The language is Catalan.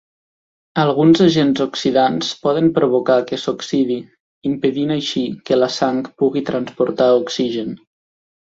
Alguns agents oxidants poden provocar que s'oxidi, impedint així que la sang pugui transportar oxigen.